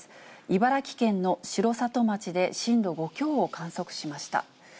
茨城県の城里町で震度５強を観測しました。